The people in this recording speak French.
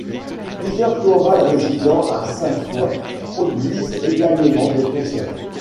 Plusieurs chorales résidant à Sainte-Foy produisent également des concerts.